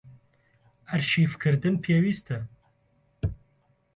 ئەرشیڤکردن پێویستە.